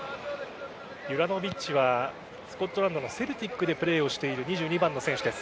ユラノヴィッチはスコットランドのセルティックでプレーをしている２２番の選手です。